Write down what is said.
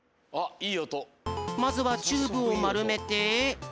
まずはチューブをまるめて。